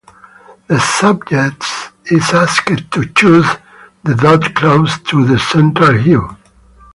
The subject is asked to choose the dot closest to the central hue.